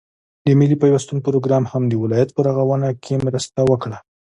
د ملي پيوستون پروگرام هم د ولايت په رغاونه كې مرسته وكړه،